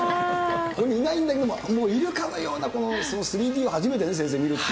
ここにいないんだけど、もういるかのような３Ｄを初めてね、先生、見るっていう。